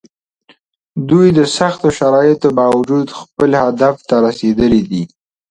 دوی د سختو شرایطو باوجود خپل هدف ته رسېدلي دي.